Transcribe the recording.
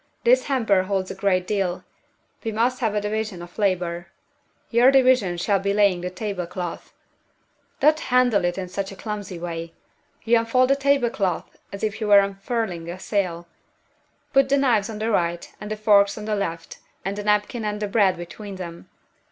This hamper holds a great deal; we must have a division of labor. Your division shall be laying the tablecloth. Don't handle it in that clumsy way! You unfold a table cloth as if you were unfurling a sail. Put the knives on the right, and the forks on the left, and the napkin and the bread between them.